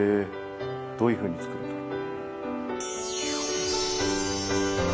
どういうふうに作るんだろう。